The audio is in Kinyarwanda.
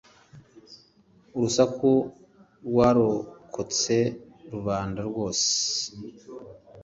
urusaku rwarokotse rubanda rwose